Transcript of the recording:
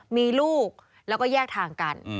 มีลูกแล้วก็แยกทางกัน